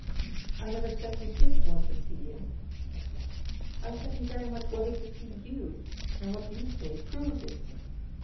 "I never said you did want to see him," said Jack. "I said he very much wanted to see you, and what you say proves it."